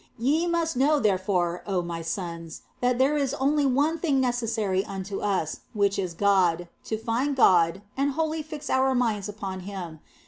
Ye must know, therefore, oh my sons, that there is only one thing necessary unto us, which is God, to find God and wholly fix our minds upon Him.